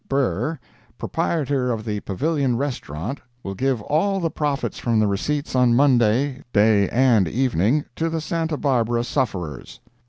Behre, proprietor of the Pavilion Restaurant, will give all the profits from the receipts on Monday, day and evening, to the Santa Barbara sufferers."